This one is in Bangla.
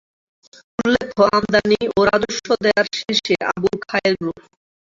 উল্লেখ্য, আমদানি ও রাজস্ব দেওয়ার শীর্ষে আবুল খায়ের গ্রুপ।